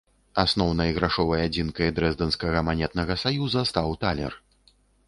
Асноўнай грашовай адзінкай дрэздэнскага манетнага саюза стаў талер.